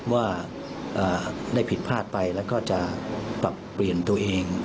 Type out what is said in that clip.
ว่าได้ผิดพลาดไปแล้วก็จะปรับเปลี่ยนตัวเอง